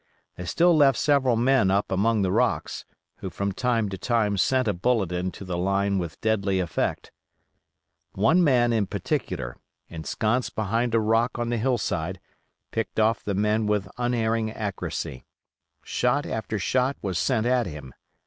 They still left several men up among the rocks, who from time to time sent a bullet into the line with deadly effect. One man, in particular, ensconced behind a rock on the hill side, picked off the men with unerring accuracy. Shot after shot was sent at him.